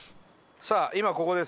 さあ今ここです。